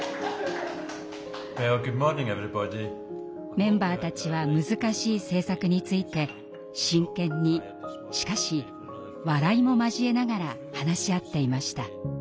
メンバーたちは難しい政策について真剣にしかし笑いも交えながら話し合っていました。